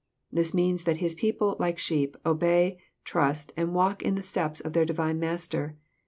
This means that His people, like sheep, obey, trust, and walk in the steps of their Divine Master.